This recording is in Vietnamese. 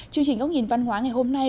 chương trình ốc nhìn văn hóa ngày hôm nay